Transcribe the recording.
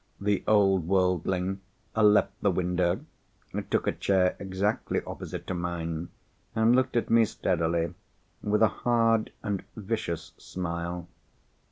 The old worldling left the window, took a chair exactly opposite to mine, and looked at me steadily, with a hard and vicious smile.